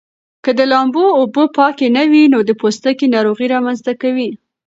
که د لامبو اوبه پاکې نه وي نو د پوستکي ناروغۍ رامنځته کوي.